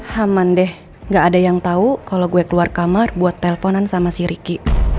haman deh gak ada yang tau kalo gue keluar kamar buat telponan sama si riki